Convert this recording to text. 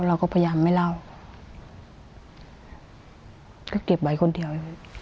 เราก็พยายามไม่เล่าก็เก็บไว้คนเดียว